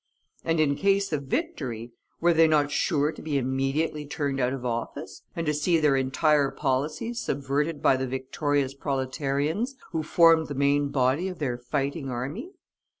And in case of victory, were they not sure to be immediately turned out of office, and to see their entire policy subverted by the victorious proletarians who formed the main body of their fighting army?